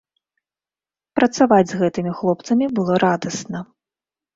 Працаваць з гэтымі хлопцамі было радасна.